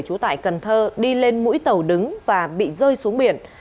trú tại cần thơ đi lên mũi tàu đứng và bị rơi xuống biển